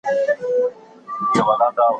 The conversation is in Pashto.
په ګرځېدو کي ځانګړي کالي نه اغوستل کېږي.